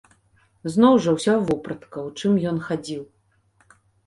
Зноў жа ўся вопратка, у чым ён хадзіў.